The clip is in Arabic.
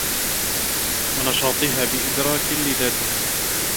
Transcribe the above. وَنَشَاطِهَا بِإِدْرَاكِ لَذَّاتِهَا